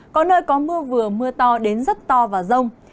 có nơi có mưa vừa mưa to đến rất to và rông